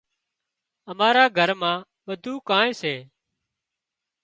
امارا گھر مان ٻڌونئي ڪانئن سي